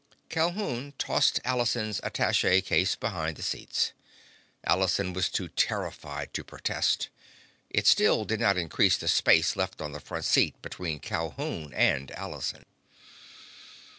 Calhoun tossed Allison's attache case behind the seats. Allison was too terrified to protest. It still did not increase the space left on the front seat between Calhoun and Allison.